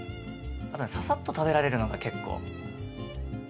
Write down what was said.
あとねささっと食べられるのが結構。